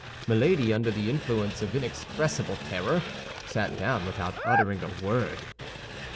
Milady, under the influence of inexpressible terror, sat down without uttering a word.